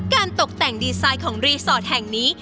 ตกแต่งดีไซน์ของรีสอร์ทแห่งนี้